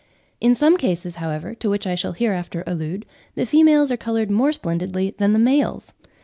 In some cases, however, to which I shall hereafter allude, the females are coloured more splendidly than the males.